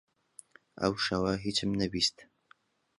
ئەو شەوە هیچم نەبیست.